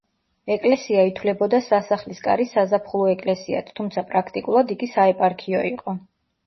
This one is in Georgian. ეკლესია ითვლებოდა სასახლის კარის საზაფხულო ეკლესიად, თუმცა პრაქტიკულად იგი საეპარქიო იყო.